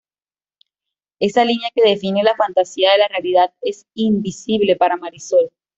Esa línea que define la fantasía de la realidad es invisible para Marisol.